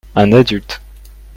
un adulte.